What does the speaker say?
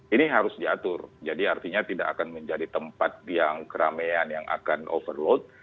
ini harus diatur jadi artinya tidak akan menjadi tempat yang keramaian yang akan overload